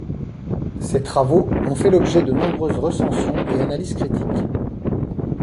Ses travaux ont fait l'objet de nombreuses recensions et analyses critiques.